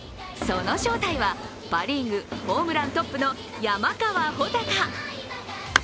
その正体はパ・リーグホームラントップの山川穂高。